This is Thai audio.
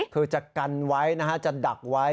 คือจะกันไว้นะฮะจะดักไว้